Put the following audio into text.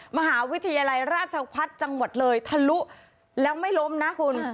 มหาวิทยาลัยราชพัฒน์จังหวัดเลยทะลุแล้วไม่ล้มนะคุณ